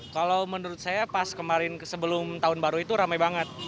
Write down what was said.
kalau menurut saya pas kemarin sebelum tahun baru itu ramai banget